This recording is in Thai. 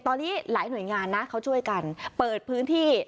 ตอนนี้หลายหน่วยงานนะเขาช่วยกันเปิดพื้นที่